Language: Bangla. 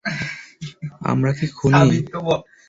আমরা কি খুনি?